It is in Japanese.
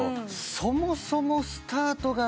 そもそもスタートが。